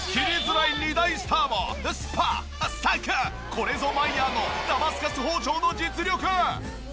これぞマイヤーのダマスカス包丁の実力。